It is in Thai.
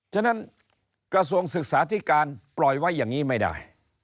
ฉะนั้นกระทรวงศึกษาธิการปล่อยไว้อย่างนี้ไม่ได้